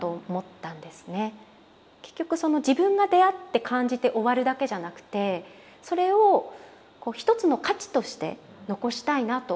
結局自分が出会って感じて終わるだけじゃなくてそれを一つの価値として残したいなと思いました。